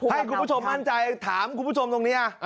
ให้คุณผู้ชมมั่นใจถามคุณผู้ชมตรงนี้